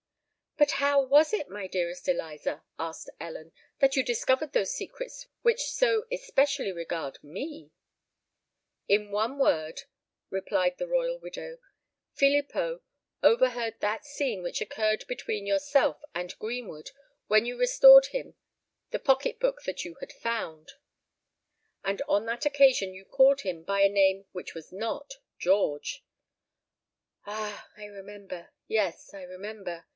"But how was it, my dearest Eliza," asked Ellen, "that you discovered those secrets which so especially regard me?" "In one word," replied the royal widow, "Filippo overheard that scene which occurred between yourself and Greenwood when you restored him the pocket book that you had found; and on that occasion you called him by a name which was not George!" "Ah! I remember—yes, I remember!"